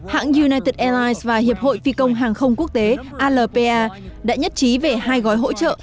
hãng united airlines và hiệp hội phi công hàng không quốc tế alpa đã nhất trí về hai gói hỗ trợ